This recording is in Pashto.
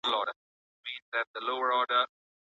ولي هوډمن سړی د هوښیار انسان په پرتله برخلیک بدلوي؟